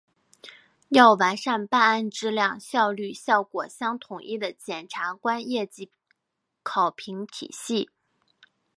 要完善办案质量、效率、效果相统一的检察官业绩考评体系